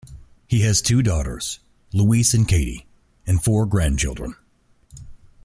He has two daughters, Louise and Katy, and four grandchildren.